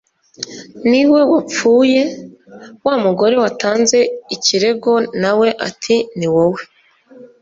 ni we wapfuye! wa mugore watanze ikirego na we ati ni wowe